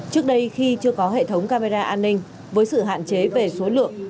trước đây khi chưa có hệ thống camera an ninh với sự hạn chế về số lượng